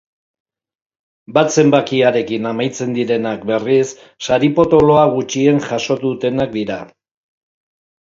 Bat zenbakiarekin amaitzen direnak, berriz, sari potoloa gutxien jaso dutenak dira.